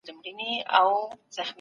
شخصي ملکیت د بشر یوه فطري غریزه ده.